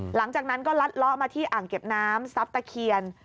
หลังจากนั้นก็ลัดเลาะมาที่อ่างเก็บน้ำซับตะเคียน